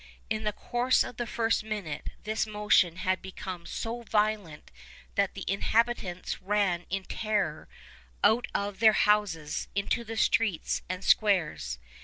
In the course of the first minute this motion had become so violent that the inhabitants ran in terror out of their houses into the streets and squares.